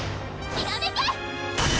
きらめけ！